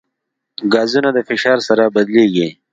ګازونه د فشار سره بدلېږي.